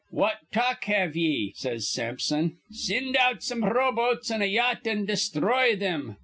'What talk have ye?' says Sampson. 'Sind out some row boats an' a yacht, an' desthroy thim.